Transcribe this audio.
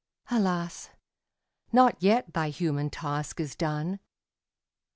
Alas, not yet thy human task is done!